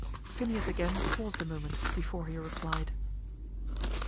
Phineas again paused a moment before he replied.